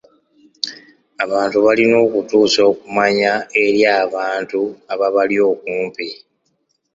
Abantu balina okutuusa okumanya eri abantu ababali okumpi.